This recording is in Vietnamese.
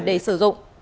để sử dụng